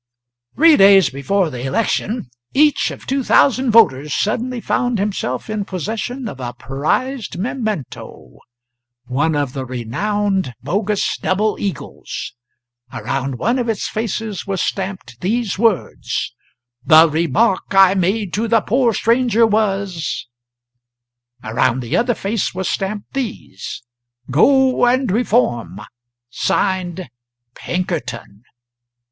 Three days before the election each of two thousand voters suddenly found himself in possession of a prized memento one of the renowned bogus double eagles. Around one of its faces was stamped these words: "THE REMARK I MADE TO THE POOR STRANGER WAS " Around the other face was stamped these: "GO, AND REFORM. [SIGNED] PINKERTON."